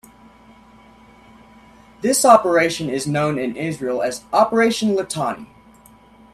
This operation is known in Israel as Operation Litani.